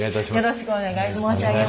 よろしくお願い申し上げます。